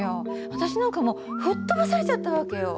私なんかもう吹っ飛ばされちゃった訳よ。